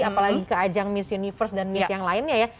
apalagi ke ajang miss universe dan miss yang lainnya ya